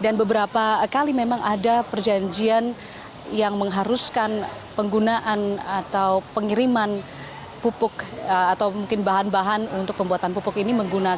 dan beberapa kali memang ada perjanjian yang mengharuskan penggunaan atau pengiriman pupuk atau mungkin bahan bahan untuk pembuatan pupuk ini